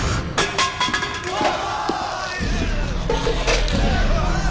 うわ！